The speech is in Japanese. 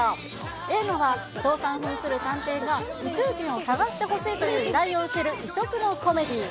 映画は伊藤さんふんする探偵が、宇宙人を探してほしいという依頼を受ける、異色のコメディー。